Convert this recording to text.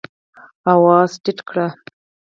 آواز ټیټ کړئ